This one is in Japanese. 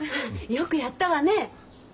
よくやったわね。